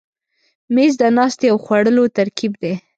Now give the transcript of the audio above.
مېز د ناستې او خوړلو ترکیب دی.